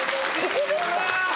ここですか？